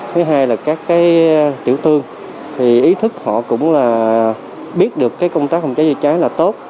thứ hai là các tiểu thương thì ý thức họ cũng là biết được công tác phòng cháy chữa cháy là tốt